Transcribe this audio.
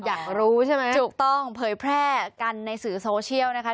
อยากรู้ใช่ไหมถูกต้องเผยแพร่กันในสื่อโซเชียลนะคะ